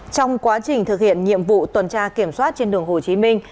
trong quá trình thực hiện nhiệm vụ tuần tra kiểm soát trên đường hồ chí minh